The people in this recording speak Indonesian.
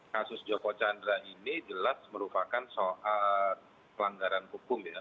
kasus joko chandra ini jelas merupakan soal pelanggaran hukum ya